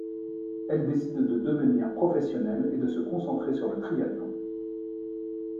Elle décide de devenir professionnelle et de se concentrer sur le triathlon.